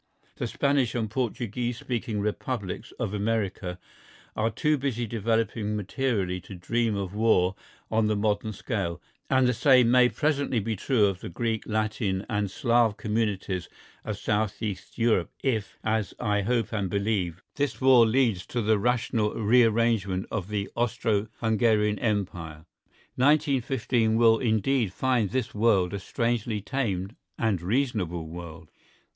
The Spanish and Portuguese speaking Republics of America are too busy developing materially to dream of war on the modern scale, and the same may presently be true of the Greek, Latin and Slav communities of south east Europe if, as I hope and believe, this war leads to the rational rearrangement of the Austro Hungarian Empire. 1915 will indeed find this world a strangely tamed and reasonable world.